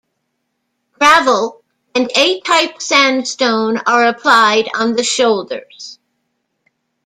Gravel and A-type sandstone are applied on the shoulders.